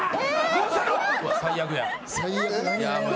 どうしたの？